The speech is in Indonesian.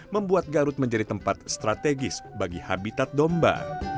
membuat garut menjadi tempat strategis bagi habitat domba